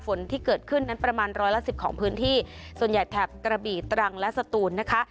ฝนที่เกิดขึ้นนั้นประมาณร้อยละสิบของพื้นที่ส่วนใหญ่แถบกระบี่ตรังและสตูนนะคะ